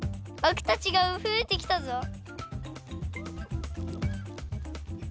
アクたちがふえてきたぞ。